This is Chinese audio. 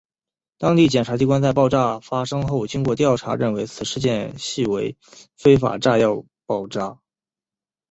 当地检察机关在爆炸发生后经过调查认为此事件系非法炸药爆炸。